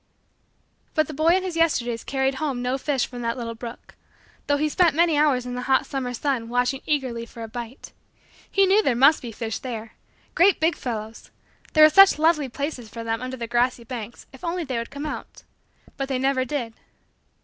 But the boy in his Yesterdays carried home no fish from that little brook; though he spent many hours in the hot summer sun watching eagerly for a bite. He knew there must be fish there great big fellows there were such lovely places for them under the grassy banks if only they would come out but they never did.